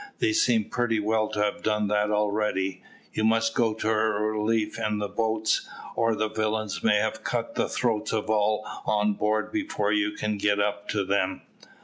They seem pretty well to have done that already. You must go to her relief in the boats, or the villains may have cut the throats of all on board before you can get up to them."